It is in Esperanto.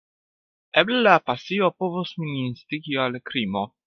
Eble la pasio povos min instigi al krimo.